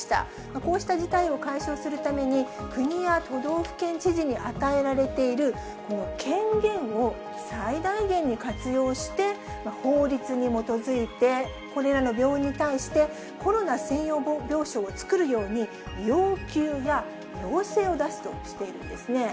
こうした事態を解消するために、国や都道府県知事に与えられているこの権限を、最大限に活用して、法律に基づいて、これらの病院に対して、コロナ専用病床を作るように、要求や要請を出すとしているんですね。